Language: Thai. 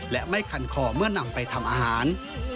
และไม่คันคอเมื่อนำไปทำอาหาร